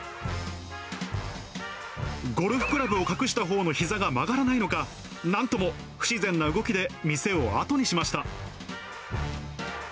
ゴルフクラブを隠したほうのひざが曲がらないのか、なんとも不自然な動きで店を後にしました。